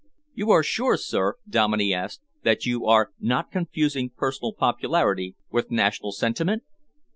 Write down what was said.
"You are sure, sir," Dominey asked, "that you are not confusing personal popularity with national sentiment?"